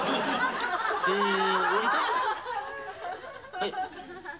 はい。